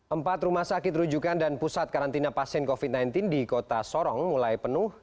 empat rumah sakit rujukan dan pusat karantina pasien covid sembilan belas di kota sorong mulai penuh